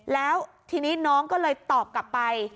แล้วทีนี้น้องก็เลยตอบกลับไป